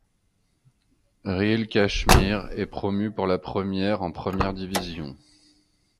Real Kashmir est promu pour la première en première division.